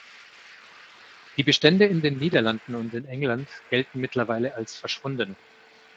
Die Bestände in den Niederlanden und in England gelten mittlerweile als verschwunden.